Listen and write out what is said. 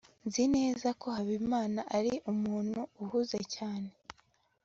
nzi neza ko habimana ari umuntu uhuze cyane